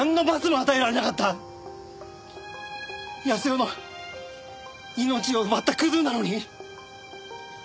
泰代の命を奪ったクズなのに！